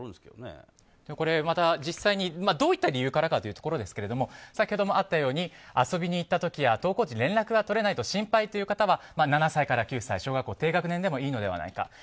実際にどういった理由からかというところですけども先ほどあったように遊びに行った時や登校時連絡がとれないと心配という方は７歳から９歳小学校低学年でもいいのではないか。